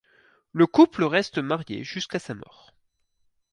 Le couple reste marié jusqu'à sa mort.